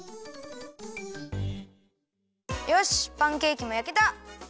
よしパンケーキもやけた！